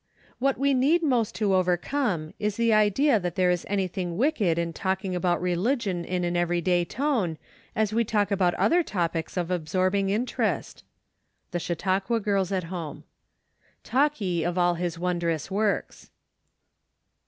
What we need most to overcome is the idea that there is anything wicked in talking about religion in an everyday tone, as we talk about other topics of absorbing interest. The Chautauqua Girls at Home. " Talk ye of all his wondrous works."